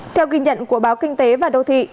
theo ghi nhận của báo kinh tế và đô thị